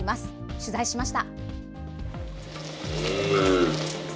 取材してきました。